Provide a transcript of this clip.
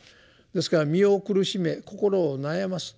ですから身を苦しめ心を悩ます。